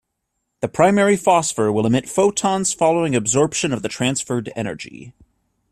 The primary phosphor will emit photons following absorption of the transferred energy.